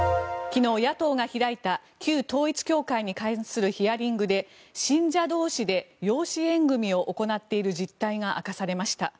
昨日、野党が開いた旧統一教会に関するヒアリングで信者同士で養子縁組を行っている実態が明かされました。